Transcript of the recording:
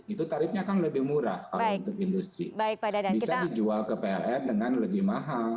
itu tarifnya kan lebih murah kalau untuk industri bisa dijual ke pln dengan lebih mahal